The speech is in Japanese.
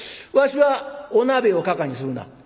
わしはお鍋をかかにするな」。